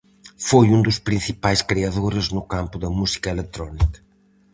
Foi un dos principais creadores no campo da música electrónica.